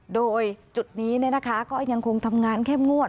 โดยจุดนี้เนี่ยนะคะก็ยังคงทำงานเข้มงวด